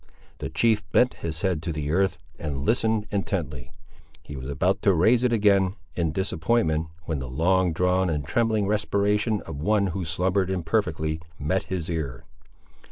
The chief bent his head to the earth, and listened intently. He was about to raise it again, in disappointment, when the long drawn and trembling respiration of one who slumbered imperfectly met his ear.